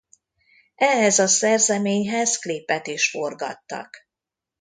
Ehhez a szerzeményhez klipet is forgattak.